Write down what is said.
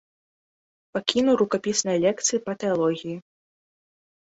Пакінуў рукапісныя лекцыі па тэалогіі.